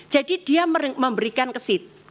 jadi dia memberikan ke sid